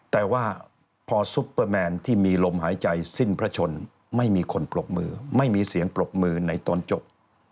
แต่ว่าพอซุปเปอร์แมนที่มีลมหายใจสิ้นพระชนไม่มีคนปรบมือไม่มีเสียงปรบมือในตอนจบ